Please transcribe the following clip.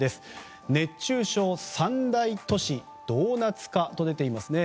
熱中症三大都市、ドーナツ化と出ていますね。